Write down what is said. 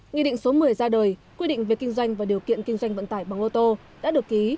nghị định số một mươi ra đời quy định về kinh doanh và điều kiện kinh doanh vận tải bằng ô tô đã được ký